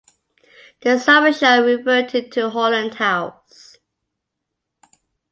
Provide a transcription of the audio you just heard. The Summer Show reverted to Holland House.